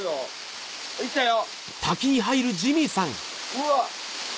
うわ。